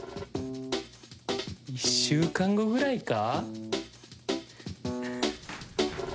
１週間後ぐらいか？